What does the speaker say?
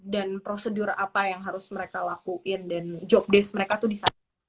dan prosedur apa yang harus mereka lakuin dan jobdesk mereka tuh disana